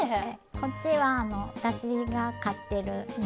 こっちは私が飼ってるね